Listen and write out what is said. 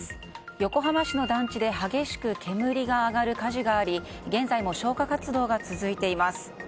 横浜市の団地で激しく煙が上がる火事があり現在も消火活動が続いています。